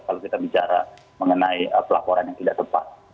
kalau kita bicara mengenai pelaporan yang tidak tepat